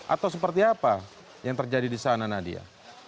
atau seperti apa yang terjadi di sana nadia